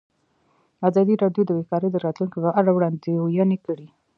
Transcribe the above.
ازادي راډیو د بیکاري د راتلونکې په اړه وړاندوینې کړې.